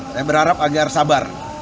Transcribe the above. saya berharap agar sabar